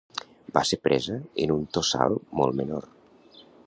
Va ser presa en un tossal molt menor.